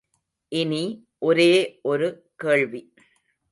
இனி ஒரே ஒரு கேள்வி.